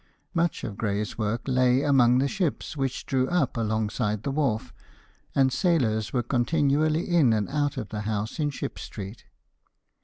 Much of Gray's work lay among the ships which drew up alongside the wharf, and sailors were continually in and out of the house in Ship Street.